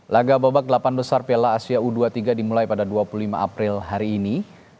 laga babak delapan besar piala asia u dua puluh tiga dimulai pada dua puluh lima april hari ini